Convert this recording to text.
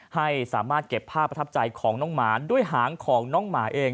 ให้สามารถเก็บภาพประทับใจของน้องหมานด้วยหางของน้องหมาเอง